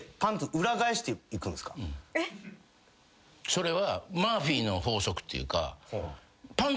それはマーフィーの法則っていうか。